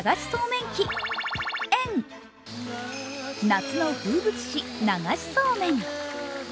夏の風物詩、流しそうめん。